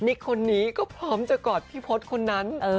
นี่คนนี้ก็พร้อมจะกอดพี่พศคนนั้น